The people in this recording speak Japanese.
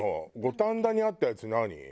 五反田にあったやつ何？